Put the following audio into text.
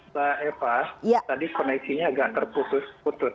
mbak eva tadi koneksinya agak terputus putus